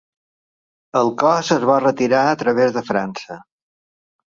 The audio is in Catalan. El cos es va retirar a través de França.